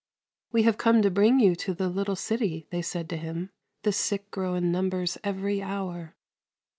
" We have come to bring you to the Httle city," they said to him ;" the sick grow in numbers every hour."